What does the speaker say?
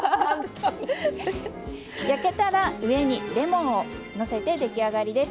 焼けたら上にレモンをのせて出来上がりです。